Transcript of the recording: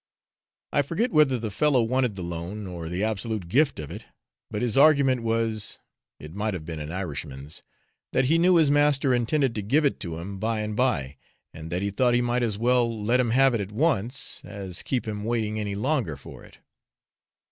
I forget whether the fellow wanted the loan, or the absolute gift of it, but his argument was (it might have been an Irishman's) that he knew his master intended to give it to him by and by, and that he thought he might as well let him have it at once, as keep him waiting any longer for it.